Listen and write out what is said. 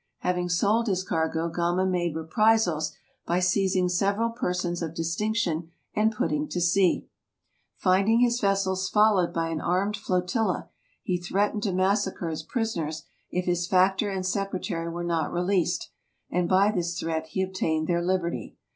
Having sold his cargo Gama made reprisals by seizing several persons of distinction and put ting to sea. Finding his vessels followed by an armed flo tilla, he threatened to massacre his prisoners if his factor and secretary were not released, and by this threat he obtained their liberty.